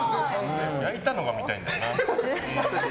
焼いたのが見たいんだよな。